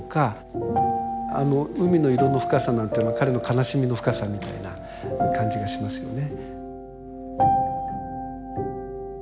あの海の色の深さなんていうのは彼の悲しみの深さみたいな感じがしますよね。